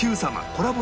コラボ